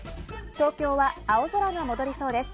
東京は青空が戻りそうです。